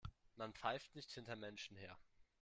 Man pfeift nicht hinter Menschen her.